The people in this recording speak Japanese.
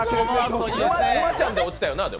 沼ちゃんで落ちたよな？